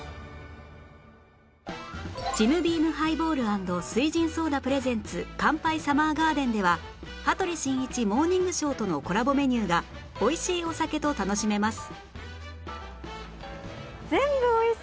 「ジムビームハイボール＆翠ジンソーダ ＰｒｅｓｅｎｔｓＫＡＮＰＡＩＳＵＭＭＥＲＧＡＲＤＥＮ」では『羽鳥慎一モーニングショー』とのコラボメニューが美味しいお酒と楽しめます